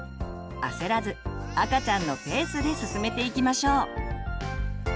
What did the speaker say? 焦らず赤ちゃんのペースで進めていきましょう。